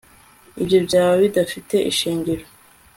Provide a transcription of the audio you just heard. ibyo byaba bidafite ishingiro